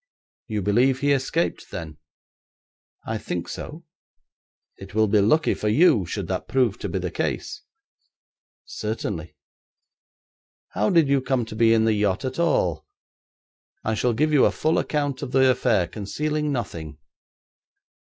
'You believe he escaped, then?' 'I think so.' 'It will be lucky for you should that prove to be the case.' 'Certainly.' 'How did you come to be in the yacht at all?' 'I shall give you a full account of the affair, concealing nothing.